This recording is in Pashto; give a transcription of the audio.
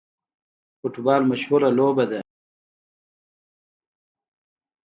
فوټبال مشهوره لوبه ده